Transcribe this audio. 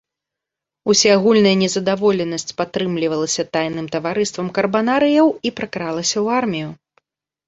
Усеагульная незадаволенасць падтрымлівалася тайным таварыствам карбанарыяў і пракралася ў армію.